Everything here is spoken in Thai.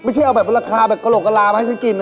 ไม่ใช่เอาแบบราคาแบบกุหลกกำลาบให้ฉันกิน